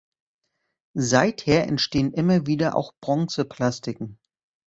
Seither entstehen immer wieder auch Bronzeplastiken.